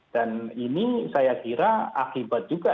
dan ini saya kira akibat juga